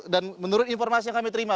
dan menurut informasi yang kami terima